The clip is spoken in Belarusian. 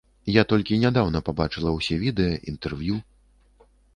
Я толькі нядаўна пабачыла ўсе відэа, інтэрв'ю.